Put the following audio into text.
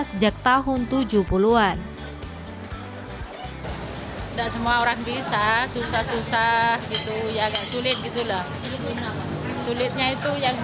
sejak tahun tujuh puluh an dan semua orang bisa susah susah gitu ya agak sulit gitu lah sulitnya itu yang